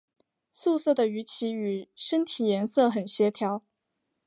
素色的鱼鳍与身体颜色很协调。